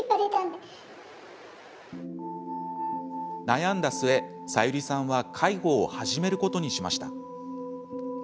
悩んだ末、サユリさんは介護を始めることにしました。